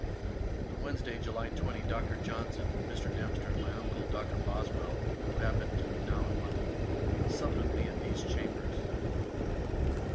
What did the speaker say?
On Wednesday, July 20, Dr. Johnson, Mr. Dempster, and my uncle Dr. Boswell, who happened to be now in London, supped with me at these Chambers.